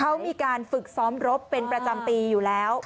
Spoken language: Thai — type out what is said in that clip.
เขามีการฝึกซ้อมรบเป็นประจำปีอยู่แล้ว